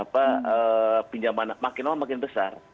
pinjaman makin lama makin besar